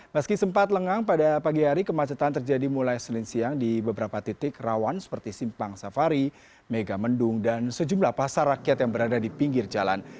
meski sempat lengang pada pagi hari kemacetan terjadi mulai senin siang di beberapa titik rawan seperti simpang safari megamendung dan sejumlah pasar rakyat yang berada di pinggir jalan